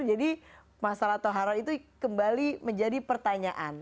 jadi masalah toharoh itu kembali menjadi pertanyaan